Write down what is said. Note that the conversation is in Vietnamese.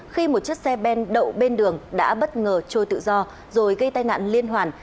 khi một chiếc xe ben đậu bên đường đã bất ngờ trôi tự do rồi gây tai nạn liên hoàn